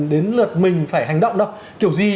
đến lượt mình phải hành động đâu kiểu gì